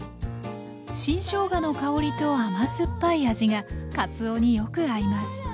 新しょうがの香りと甘酸っぱい味がかつおによく合います。